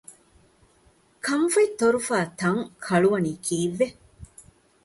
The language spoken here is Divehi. ކަންފަތް ތޮރުފާ ތަން ކަޅުވަނީ ކީއްވެ؟